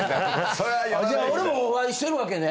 じゃあ俺もお会いしてるわけね。